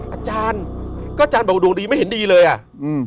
อาจารย์ก็อาจารย์บอกว่าดวงดีไม่เห็นดีเลยอ่ะอืม